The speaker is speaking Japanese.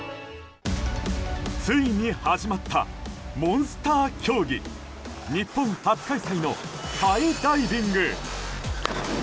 ついに始まったモンスター競技日本初開催のハイダイビング。